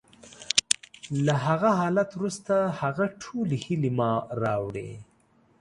له هغه حالت وروسته، هغه ټولې هیلې ما راوړې